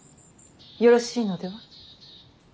よろしいのでは。